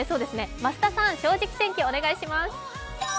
増田さん、「正直天気」お願いします